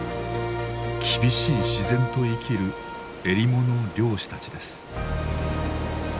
厳しい自然と生きるえりもの漁師たちです。